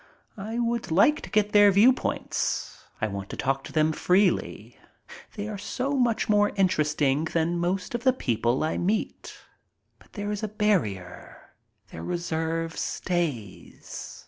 I would like to get their viewpoint. I want to talk to them freely. They are so much more interesting than most of the people I meet. But there is a barrier. Their reserve stays.